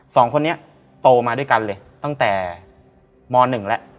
สองคนนี้โตมาด้วยกันเลยตั้งแต่ม๑แล้ว